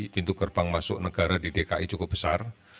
pintu gerbang masuk negara di dki cukup besar